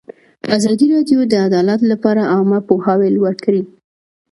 ازادي راډیو د عدالت لپاره عامه پوهاوي لوړ کړی.